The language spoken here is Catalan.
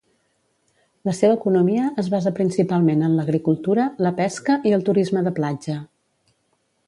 La seva economia es basa principalment en l'agricultura, la pesca i el turisme de platja.